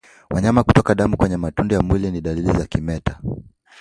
Wanyama kutoka damu kwenye matundu ya mwili ni dalili ya kimeta